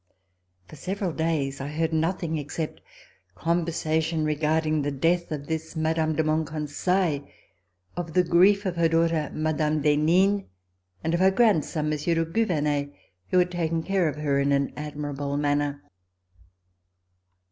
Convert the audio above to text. For several days I heard nothing except conversation regarding the death of this Mme. de Monconseil, of the grief of her daughter, Mme. d'Henin, and of her grandson. Monsieur de Gou vernet, who had taken care of her in an admirable manner.